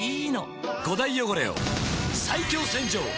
５大汚れを最強洗浄！